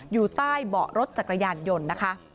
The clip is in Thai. อยู่ใต้เบาะรถจักรยานยนต์นะคะ